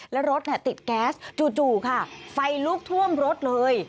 แล้วรถติดแก๊สจู่ค่ะไฟลุกท่วมรถเลย